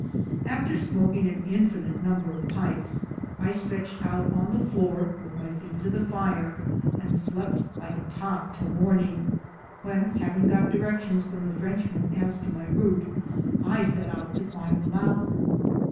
After smoking an infinite number of pipes, I stretched out on the floor, with my feet to the fire, and slept like a top till morning, when, having got GROWING OVER NIGHT 235 directions from the Frenchman as to my route, I set out to climb the mountain.